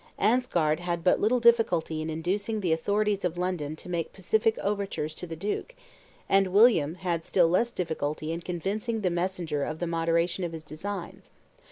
Ansgard had but little difficulty in inducing the authorities of London to make pacific overtures to the duke, and William had still less difficulty in convincing the messenger of the moderation of his designs.